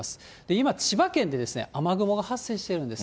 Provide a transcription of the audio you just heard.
今、千葉県で雨雲が発生しているんです。